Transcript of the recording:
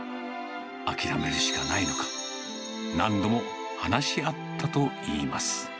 諦めるしかないのか、何度も話し合ったといいます。